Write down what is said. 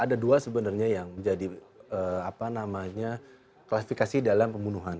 ada dua sebenarnya yang menjadi klasifikasi dalam pembunuhan